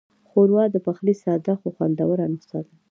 ښوروا د پخلي ساده خو خوندوره نسخه ده.